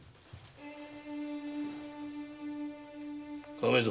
亀蔵。